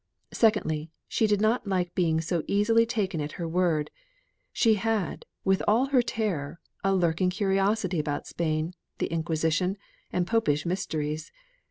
Secondly, she did not like being so easily taken at her word; she had, with all her terror, a lurking curiosity about Spain, the Inquisition, and Popish mysteries.